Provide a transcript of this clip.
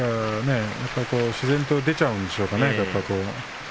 自然と出ちゃうんでしょうかね。